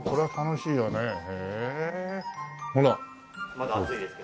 まだ熱いですけど。